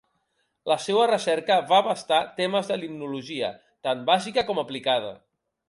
La seua recerca va abastar temes de limnologia, tant bàsica com aplicada.